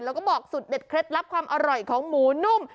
แล้วก็บอกสูตรเด็ดเคล็ดลับความอร่อยของหมูนุ่ม